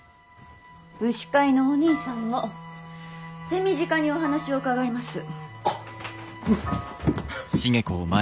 牛飼いのお兄さんも手短にお話を伺います。